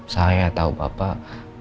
saya tahu bapak